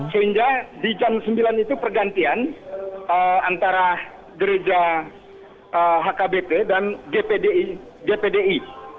sehingga di jam sembilan itu pergantian antara gereja hkbp dan dpdi